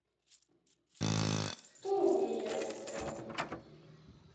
— Хто ви єсте?